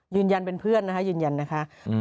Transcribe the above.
ยืนยันเป็นเพื่อนยืนยันนะครับ